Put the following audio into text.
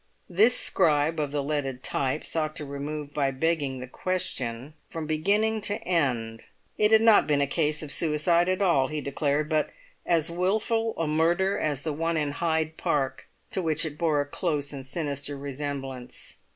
This the scribe of the leaded type sought to remove by begging the question from beginning to end. It had not been a case of suicide at all, he declared, but as wilful a murder as the one in Hyde Park, to which it bore a close and sinister resemblance.